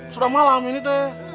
sudah malam ini teh